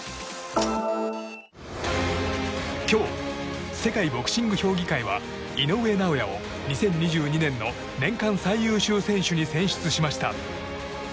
今日、世界ボクシング評議会は井上尚弥を２０２２年の年間最優秀選手に選出しました。